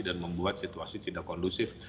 membuat situasi tidak kondusif